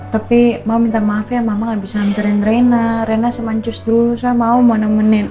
tapi mau minta maaf ya mama gak bisa ngeranturin reyna reyna sama ancus dulu saya mau menemenin